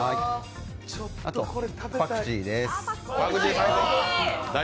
あとパクチーです。